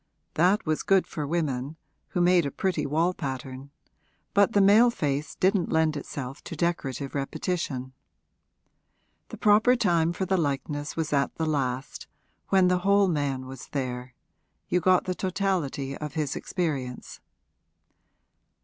That was good for women, who made a pretty wall pattern; but the male face didn't lend itself to decorative repetition. The proper time for the likeness was at the last, when the whole man was there you got the totality of his experience.